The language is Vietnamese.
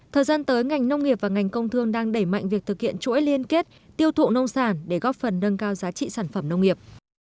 thời gian tới ngành nông nghiệp và ngành công thương đang đẩy mạnh việc thực hiện chuỗi liên kết tiêu thụ nông sản để góp phần nâng cao giá trị sản phẩm nông nghiệp